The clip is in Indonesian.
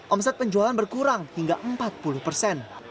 omset penjualan berkurang hingga empat puluh persen